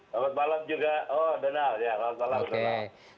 selamat malam juga oh donald ya selamat malam donald